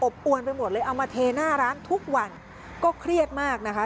อวนไปหมดเลยเอามาเทหน้าร้านทุกวันก็เครียดมากนะคะ